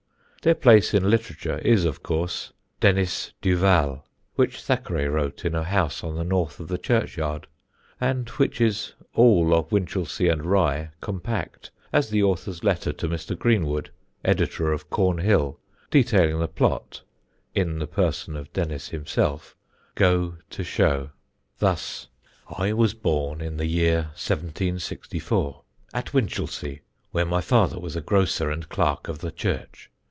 Their place in literature is, of course, Denis Duval, which Thackeray wrote in a house on the north of the churchyard, and which is all of Winchelsea and Rye compact, as the author's letters to Mr. Greenwood, editor of Cornhill, detailing the plot (in the person of Denis himself) go to show. Thus: "I was born in the year 1764, at Winchelsea, where my father was a grocer and clerk of the church.